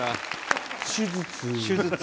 「手術」。